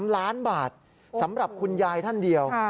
๓ล้านบาทสำหรับคุณยายท่านเดียว